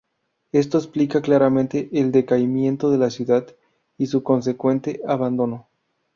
Esto explica claramente el decaimiento de la ciudad y su consecuente abandono.